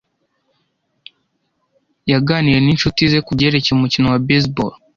Yaganiriye ninshuti ze kubyerekeye umukino wa baseball.